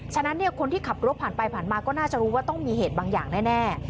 ฉะนั้นคนที่ขับรถผ่านไปผ่านมาก็น่าจะรู้ว่าต้องมีเหตุบางอย่างแน่